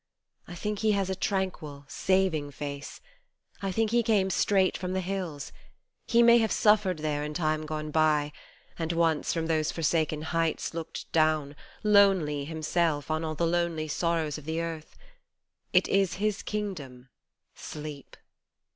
I think he has a tranquil, saving face : I think he came Straight from the hills : he may have suffered there in time gone by, And once, from those forsaken heights, looked down, Lonely himself, on all the lonely sorrows of the earth. It is his kingdom Sleep.